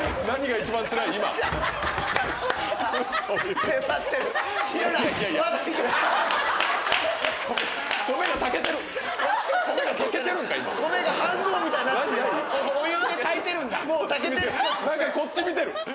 何かこっち見てる。